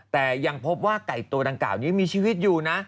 แต่ยังพบว่าไก่ตัวดังกล่าวนี้มีชีวิตอยู่นะ